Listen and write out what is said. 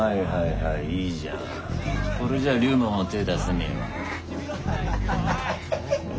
これじゃ龍門も手ぇ出せねえわ。